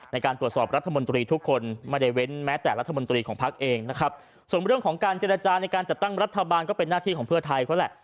ในการจัดตั้งรัฐบาลก็เป็นหน้าที่ของเพื่อไทยเขาแหละ